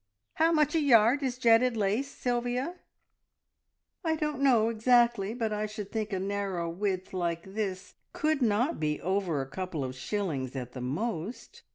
"How much a yard is jetted lace, Sylvia?" "I don't know exactly, but I should think a narrow width like this could not be over a couple of shillings at the most."